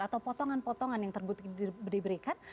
atau potongan potongan yang terbukti diberikan